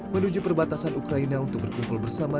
menuju perbatasan ukraina untuk berkumpul bersama